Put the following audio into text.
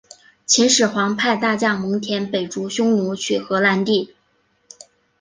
秦始皇派大将蒙恬北逐匈奴取河南地。